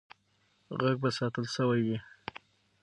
غږ به ساتل سوی وي.